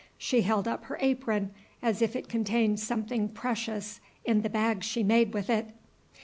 She held up her apron as if it contained something precious in the bag she made with it.